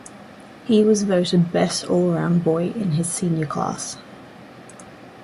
He was voted Best All-Round Boy in his senior class.